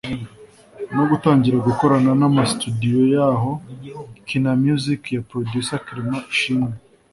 no gutangira gukorana n’amastudio yahoo Kina Music ya Producer Clement Ishimwe